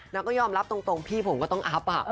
แล้วก็ยอมรับตรงพี่ผมก็ต้องอัพอ่ะ